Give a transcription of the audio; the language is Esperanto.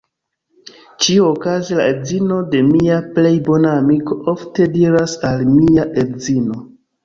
Ĉiuokaze la edzino de mia plej bona amiko ofte diras al mia edzino: